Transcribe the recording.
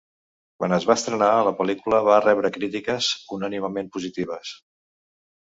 Quan es va estrenar, la pel·lícula va rebre crítiques unànimement positives.